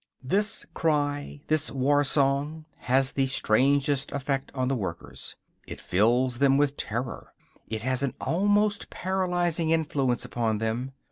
This cry, this war song, has the strangest effect on the workers. It fills them with terror, it has an almost paralyzing influence upon them.